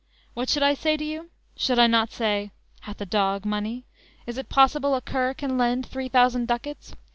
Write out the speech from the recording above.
What should I say to you? Should I not say; Hath a dog money? Is it possible A cur can lend three thousand ducats?